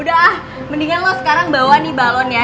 udah mendingan lo sekarang bawa nih balon ya